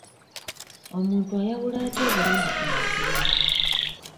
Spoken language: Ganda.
Omuntu ayawula atya obulimba ku mazima?